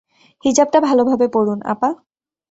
হিজাবটা ভালোভাবে পড়ুন, আপা।